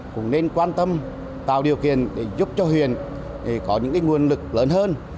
cũng nên quan tâm tạo điều kiện để giúp cho huyện có những nguồn lực lớn hơn